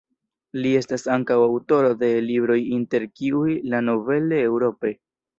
Li estas ankaŭ aŭtoro de libroj inter kiuj "La nouvelle Europe.